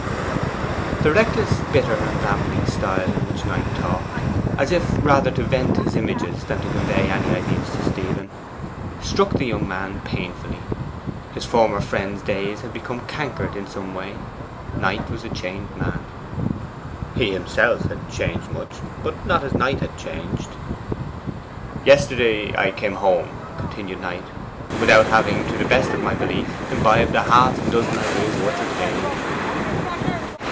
The reckless, bitter, and rambling style in which Knight talked, as if rather to vent his images than to convey any ideas to Stephen, struck the young man painfully. His former friend's days had become cankered in some way: Knight was a changed man. He himself had changed much, but not as Knight had changed. 'Yesterday I came home,' continued Knight, 'without having, to the best of my belief, imbibed half a dozen ideas worth retaining.